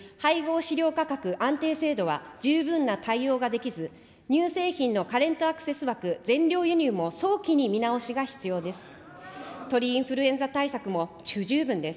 飼料価格安定制度は十分な対応ができず、乳製品のカレント・アクセス枠全量輸入も早期に見直しが必要です。